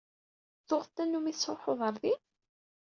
Tuɣeḍ tanumi tettruḥuḍ ɣer din?